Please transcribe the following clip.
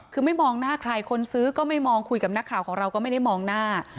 คือไม่มองหน้าใครคนซื้อก็ไม่มองคุยกับนักข่าวของเราก็ไม่ได้มองหน้า